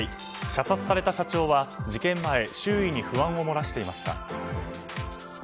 射殺された社長は事件前周囲に不安を漏らしていました。